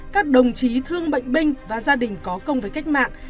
các đồng chí thương bệnh binh và gia đình có công với cách mạng